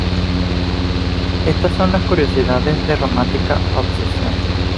Esta son las curiosidades de Romántica Obsesión